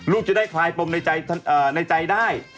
ลูกจะได้คลายปมในใจได้